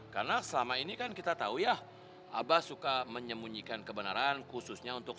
karena selama ini kan kita tahu ya abah suka menyembunyikan kebenaran khususnya untuk